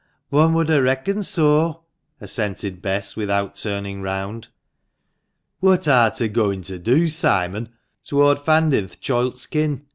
one would ha* reckoned so," assented Bess, without turning round. "What ar" ta gooin' to do, Simon, toward fandin' th' choilt's kin